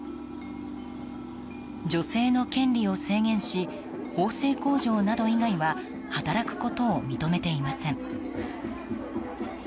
女性の権利を制限し縫製工場など以外は働くことを認めていません。